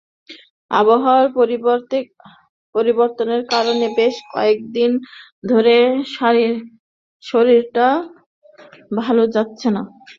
আবহাওয়া পরিবর্তনের কারণে বেশ কয়েক দিন ধরে শরীরটাও ভালো যাচ্ছে না।